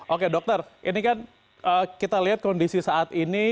oke dokter ini kan kita lihat kondisi saat ini